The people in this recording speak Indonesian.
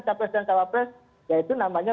capres dan cawapres ya itu namanya